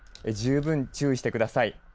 十分注意してください。